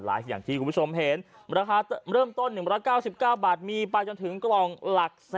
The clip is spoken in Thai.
และยังมีหนี้ค่ะแม่ไฮแพทแท็บเล็ตเงินสดเราให้กันแบบคุ้มนะคะ